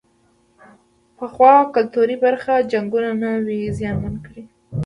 پخوا کلتوري برخې جنګونو نه وې زیانمنې کړې.